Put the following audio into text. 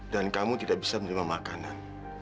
dan kamu tidak bisa menerima makanan